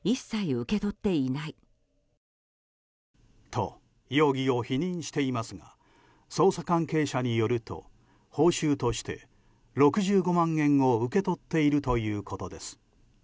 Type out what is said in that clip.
と、容疑を否認していますが捜査関係者によると報酬として６５万円を受け取っているということです。